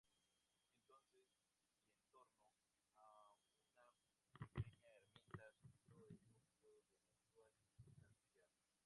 Entonces, y en torno a una pequeña ermita, surgió el núcleo del actual Castellar.